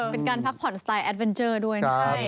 เป็นการพักผ่อนสไตล์แอดเวนเจอร์ด้วยนะครับ